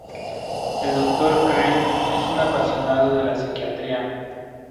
El Doctor Crane es un apasionado de la psiquiatría.